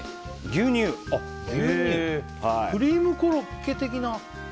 クリームコロッケ的な？